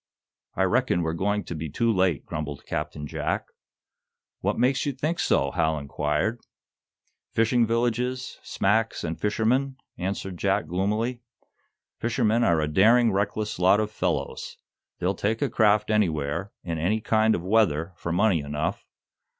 "I reckon we're going to be too late," grumbled Captain Jack. "What makes you think so?" Hal inquired. "Fishing villages, smacks and fishermen," answered Jack, gloomily. "Fishermen are a daring, reckless lot of fellows. They'd take a craft anywhere, in any kind of weather, for money enough.